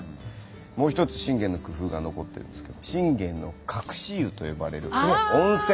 もう一つ信玄の工夫が残っているんですけど信玄の隠し湯と呼ばれる温泉が。